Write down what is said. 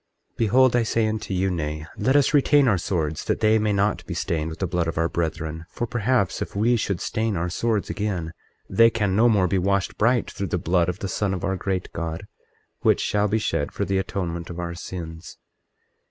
24:13 Behold, I say unto you, Nay, let us retain our swords that they be not stained with the blood of our brethren; for perhaps, if we should stain our swords again they can no more be washed bright through the blood of the Son of our great God, which shall be shed for the atonement of our sins.